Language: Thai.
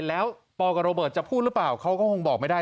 แล้วปกับโรเบิร์ตจะพูดหรือเปล่าเขาก็คงบอกไม่ได้